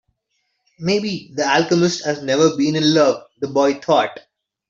Maybe the alchemist has never been in love, the boy thought.